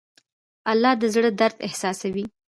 الله د زړه درد احساسوي.